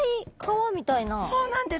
そうなんです。